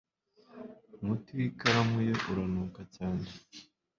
umuti w'ikaramu ye uranuka cyane